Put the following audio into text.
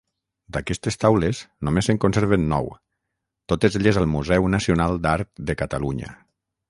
D'aquestes taules només se'n conserven nou, totes elles al Museu Nacional d'Art de Catalunya.